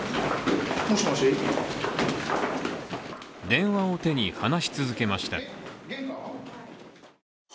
電話を手に、話し続けました。